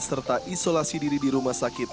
serta isolasi diri di rumah sakit